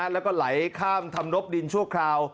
แล้วก็ไหลข้ามทำนบดินชั่วคราว